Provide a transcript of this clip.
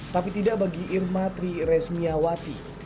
tapi tidak bagi irma tri resmiawati